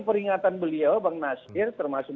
peringatan beliau bang nasir termasuk